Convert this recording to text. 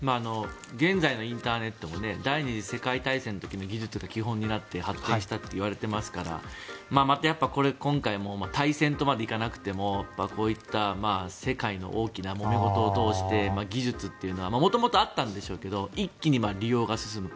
現在のインターネットも第２次世界大戦の時の技術が基本になって発展したといわれていますからまた今回も大戦とまでは行かなくてもこういった世界の大きなもめ事を通して技術というのは元々あったんでしょうけど一気に利用が進む。